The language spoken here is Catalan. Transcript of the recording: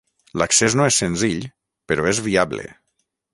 L'accés no és senzill, però és viable.